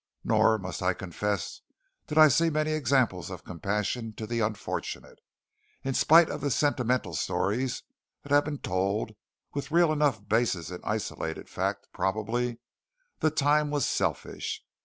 Nor, must I confess, did I see many examples of compassion to the unfortunate. In spite of the sentimental stories that have been told with real enough basis in isolated fact, probably the time was selfish.